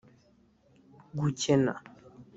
gukena